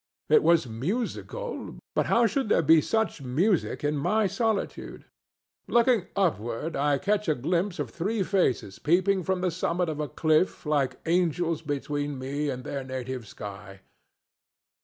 It was musical, but how should there be such music in my solitude? Looking upward, I catch a glimpse of three faces peeping from the summit of the cliff like angels between me and their native sky.